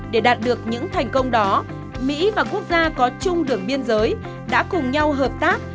để đạt được những thành công đó mỹ và quốc gia có chung đường biên giới đã cùng nhau hợp tác